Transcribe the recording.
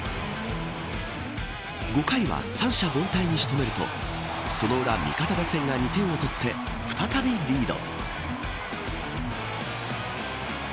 ５回は三者凡退に仕留めるとその裏、味方打線が２点を取って再びリード。